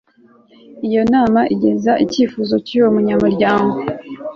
iyo nama igeza icyifuzo cy'uwo munyamuryango